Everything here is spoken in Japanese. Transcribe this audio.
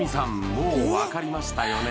もう分かりましたよね？